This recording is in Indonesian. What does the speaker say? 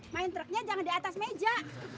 main truknya jangan di atas meja